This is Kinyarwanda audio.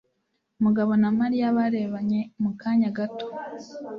Mugabo na Mariya bararebanye mu kanya gato.